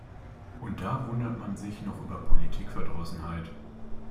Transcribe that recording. Und da wundert man sich noch über Politikverdrossenheit.